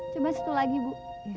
coba satu lagi bu